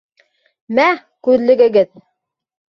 Мә, күҙлегегеҙ!